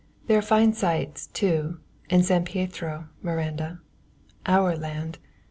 "There are fine sights, too, in San Pietro, Miranda our land.